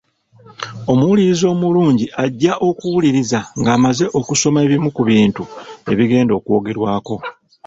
Omuwuliriza omulungi ajja okuwuliriza ng’amaze okusoma ebimu ku bintu ebigenda okwogerwako.